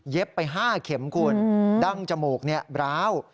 เย็บไป๕เข็มคุณดั้งจมูกเนี่ยบร้าว